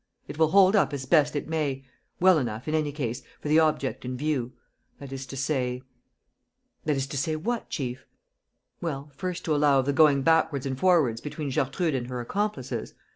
It will hold up as best it may: well enough, in any case, for the object in view, that is to say ..." "That is to say what, chief?" "Well, first to allow of the going backwards and forwards between Gertrude and her accomplices